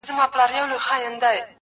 انسان وجدان سره مخ دی تل,